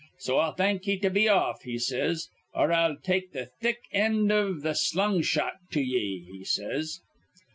'So I'll thank ye to be off,' he says, 'or I'll take th' thick end iv the slung shot to ye,' he says.